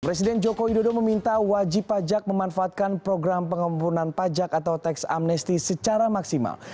presiden jokowi dodo meminta wajib pajak memanfaatkan program pengembunan pajak atau tax amnesty secara maksimal